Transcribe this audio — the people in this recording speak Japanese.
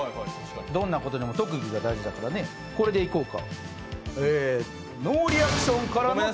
どんなことでも特技が大事だからこれでいこうか。